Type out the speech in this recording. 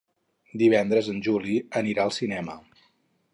Divendres en Juli anirà al cinema.